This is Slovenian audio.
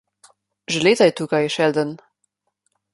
Že leta je tukaj, Sheldon.